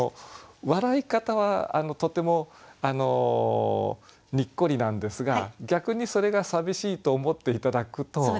笑い方はとてもにっこりなんですが逆にそれが寂しいと思って頂くと。